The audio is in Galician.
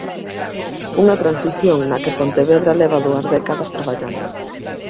Unha transición na que Pontevedra leva dúas décadas traballando.